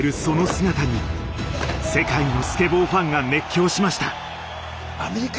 その姿に世界のスケボーファンが熱狂しました。